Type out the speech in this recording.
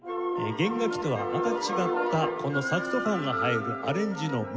弦楽器とはまた違ったこのサクソフォンが映えるアレンジの妙。